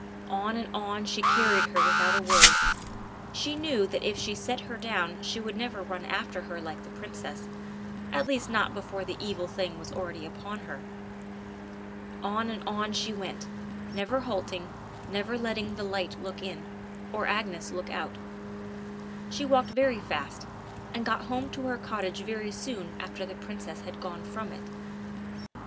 On and on she carried her without a word. She knew that if she set her down she would never run after her like the princess, at least not before the evil thing was already upon her. On and on she went, never halting, never letting the light look in, or Agnes look out. She walked very fast, and got home to her cottage very soon after the princess had gone from it.